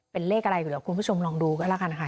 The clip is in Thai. เป็นเลขอะไรก็เดี๋ยวคุณผู้ชมลองดูก็แล้วกันค่ะ